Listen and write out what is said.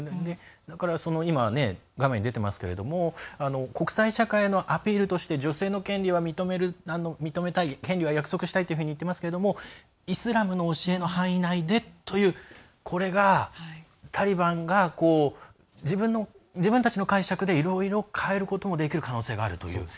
今、画面に出てますが国際社会のアピールとして女性の権利は認めたい、権利は約束したいというふうに言ってますけども、イスラムの教えの範囲内でというこれが、タリバンが自分たちの解釈でいろいろ変えることもできる可能性があるという。